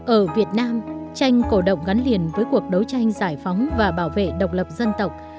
ở việt nam tranh cổ động gắn liền với cuộc đấu tranh giải phóng và bảo vệ độc lập dân tộc